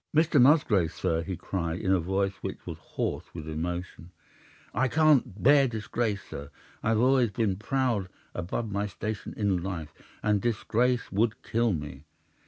"'"Mr. Musgrave, sir," he cried, in a voice which was hoarse with emotion, "I can't bear disgrace, sir. I've always been proud above my station in life, and disgrace would kill me.